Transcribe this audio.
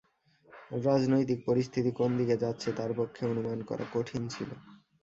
রাজনৈতিক পরিস্থিতি কোন দিকে যাচ্ছে, তাঁর পক্ষে অনুমান করা কঠিন ছিল।